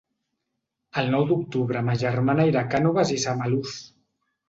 El nou d'octubre ma germana irà a Cànoves i Samalús.